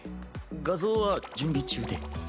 画像は準備中で。